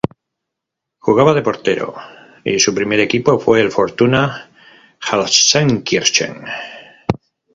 Jugaba de portero y su primer equipo fue el Fortuna Gelsenkirchen.